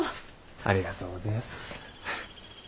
ありがとうごぜえやす。